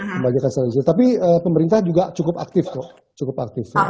pembajakan secara digital tapi pemerintah juga cukup aktif kok cukup aktif